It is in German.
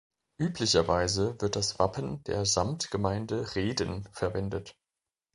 Üblicherweise wird das Wappen der Samtgemeinde Rehden verwendet.